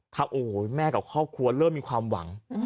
ถ้าโอ้โหแม่กับครอบครัวเริ่มมีความหวัง